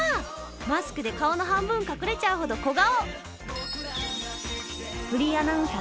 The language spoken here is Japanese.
マスクで顔の半分隠れちゃうほど小顔！